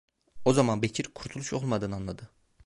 O zaman Bekir kurtuluş olmadığını anladı.